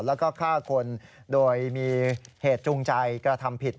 แล้วก็ฆ่าคนโดยมีเหตุจูงใจกระทำผิด